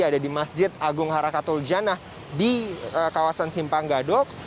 ada di masjid agung harakatul janah di kawasan simpang gadok